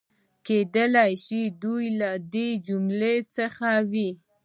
کېدای شي دوی له دې جملې څخه وي.